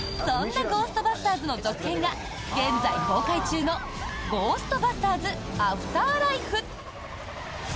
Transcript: そんな「ゴーストバスターズ」の続編が現在公開中の「ゴーストバスターズ／アフターライフ」。